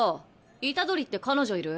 虎杖って彼女いる？